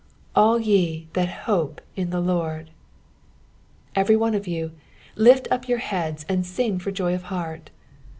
" AU ye thaC hope in the Ijtrd." Every one of you, lift up jour heads and sing for joy of lieart.